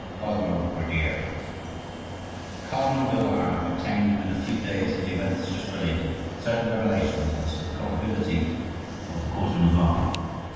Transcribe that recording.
COSMO RUGGIERO The Cardinal de Lorraine obtained, within a few days of the events just related, certain revelations as to the culpability of the court of Navarre.